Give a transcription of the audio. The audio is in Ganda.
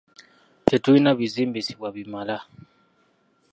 Tetulina bizimbisibwa bimala .